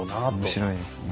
面白いですね。